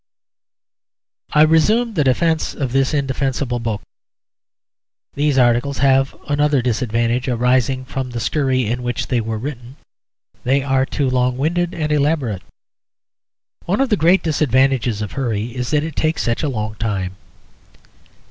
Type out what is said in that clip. _ I resume the defence of this indefensible book. These articles have another disadvantage arising from the scurry in which they were written; they are too long winded and elaborate. One of the great disadvantages of hurry is that it takes such a long time.